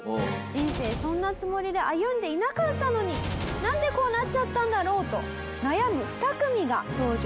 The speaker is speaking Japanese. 「人生そんなつもりで歩んでいなかったのになんでこうなっちゃったんだろう？」と悩む２組が登場されます。